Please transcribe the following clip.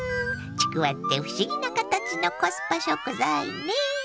ちくわって不思議な形のコスパ食材ね。